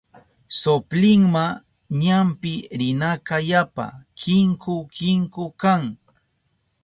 Soplinma ñampi rinaka yapa kinku kinku kan.